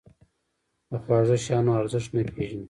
د خواږه شیانو ارزښت نه پېژني.